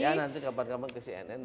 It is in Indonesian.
ya nanti kapan kapan ke cnn